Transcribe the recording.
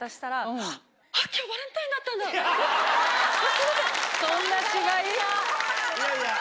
すいません！